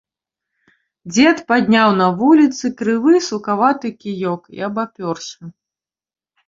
Дзед падняў на вуліцы крывы сукаваты кіёк і абапёрся.